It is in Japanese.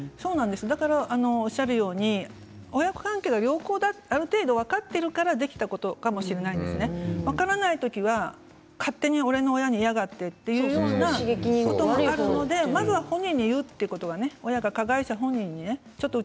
おっしゃるように親子関係が良好である程度、分かっているからできたかもしれないですね分からない時は勝手に俺の親に言いやがってというようなこともあるのでまずは本人に言うということが親が加害者本人に言う。